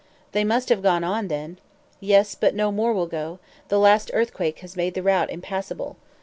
"They must have gone on then." "Yes, but no more will go; the last earthquake has made the route impassable."